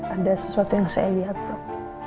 ada sesuatu yang saya lihat dok